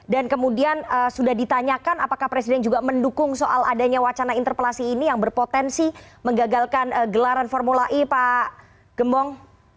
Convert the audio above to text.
dan kemudian sudah ditanyakan apakah presiden juga mendukung soal adanya wacana interpelasi ini yang berpotensi menggagalkan gelaran formula e pak gembong